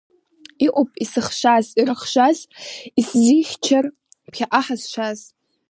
Иҟоуп исыхшаз ирыхшаз, исзихьчар ԥхьаҟа ҳазшаз.